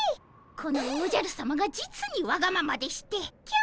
このおじゃるさまが実にわがままでして今日も。